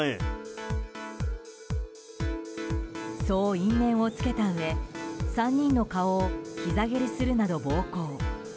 そう因縁をつけたうえ３人の顔をひざ蹴りするなど暴行。